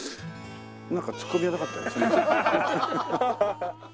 なんかツッコミはなかったですね。